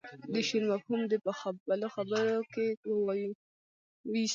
د شعر مفهوم دې په خپلو خبرو کې ووايي.